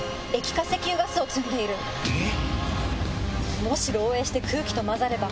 えっ！